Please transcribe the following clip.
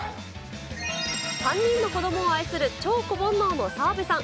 ３人の子どもを愛する超子ぼんのうの澤部さん。